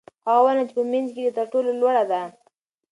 هغه ونه چې په منځ کې ده تر ټولو لوړه ده.